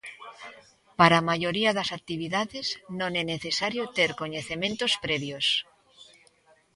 Para a maioría das actividades non é necesario ter coñecementos previos.